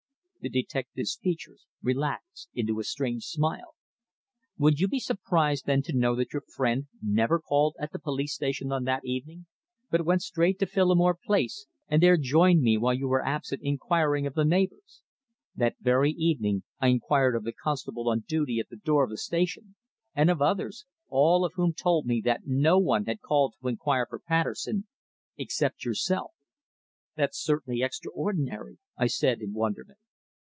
The detective's features relaxed into a strange smile. "Would you be surprised then to know that your friend never called at the Police Station on that evening, but went straight to Phillimore Place and there joined me while you were absent inquiring of the neighbours? That very evening I inquired of the constable on duty at the door of the station, and of others, all of whom told me that no one had called to inquire for Patterson except yourself." "That's certainly extraordinary," I said in wonderment.